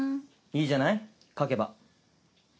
いいじゃない書けば。